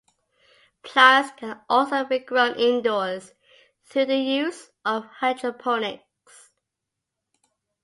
Plants can also be grown indoors through the use of hydroponics.